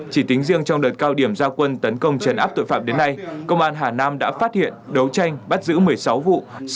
chỉ tính riêng trong đợt cao điểm gia quân tấn công chấn áp tội phạm đến nay công an hà nam đã phát hiện đấu tranh bắt giữ một mươi sáu vụ